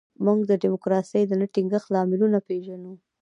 موږ د ډیموکراسۍ د نه ټینګښت لاملونه پېژنو.